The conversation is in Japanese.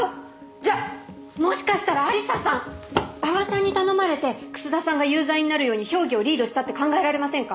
じゃあもしかしたら愛理沙さん馬場さんに頼まれて楠田さんが有罪になるように評議をリードしたって考えられませんか？